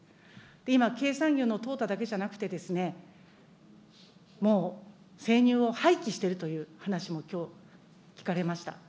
今、経産牛のとう汰だけじゃなくてですね、もう生乳を廃棄しているという話もきょう聞かれました。